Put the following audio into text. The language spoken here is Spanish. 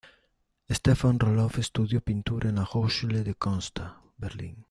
Stefan Roloff estudió pintura en la Hochschule der Künste Berlin.